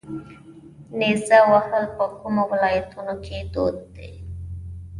نیزه وهل په کومو ولایتونو کې دود دي؟